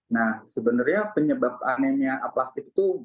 nah sebenarnya penyebab anemia aplastik itu berbeda